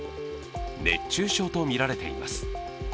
熱中症とみられています。